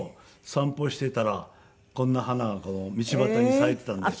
散歩していたらこんな花が道端に咲いていたんで。